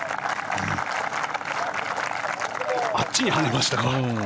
あっちに跳ねましたか。